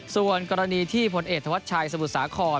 ส่วนกรณีที่ผลเอกธวัชชัยสมุทรสาคร